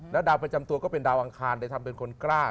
ดาวประจำตัวก็เป็นดาวอังคารแต่ทำเป็นคนกล้า